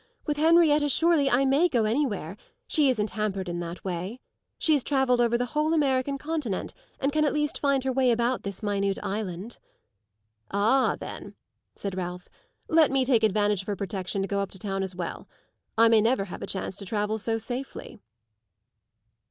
With Henrietta surely I may go anywhere; she isn't hampered in that way. She has travelled over the whole American continent and can at least find her way about this minute island." "Ah then," said Ralph, "let me take advantage of her protection to go up to town as well. I may never have a chance to travel so safely!"